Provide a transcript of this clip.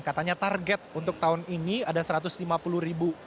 katanya target untuk tahun ini ada satu ratus lima puluh ribu